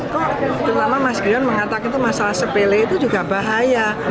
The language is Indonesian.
kok terutama mas grion mengatakan itu masalah sepele itu juga bahaya